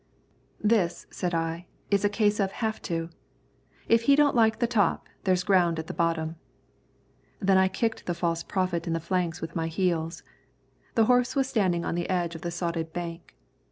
"This," said I, "is a case of 'have to.' If he don't like the top, there's ground at the bottom." Then I kicked the false prophet in the flanks with my heels. The horse was standing on the edge of the sodded bank.